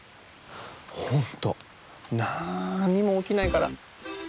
ほんとなんにもおきないから。